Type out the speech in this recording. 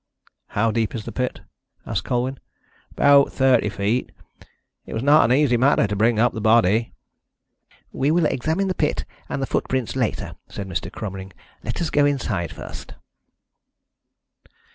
"How deep is the pit?" asked Colwyn. "About thirty feet. It was not an easy matter to bring up the body." "We will examine the pit and the footprints later," said Mr. Cromering. "Let us go inside first."